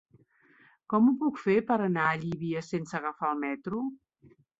Com ho puc fer per anar a Llívia sense agafar el metro?